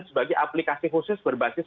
sebagai aplikasi khusus berbasis